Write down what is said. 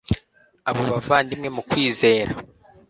abo bavandimwe mu kwizera